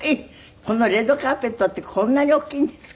このレッドカーペットってこんなに大きいんですか？